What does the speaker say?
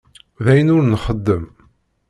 D ayen ur nxeddem.